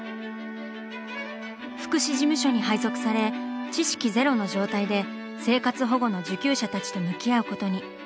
福祉事務所に配属され知識ゼロの状態で生活保護の受給者たちと向き合うことに。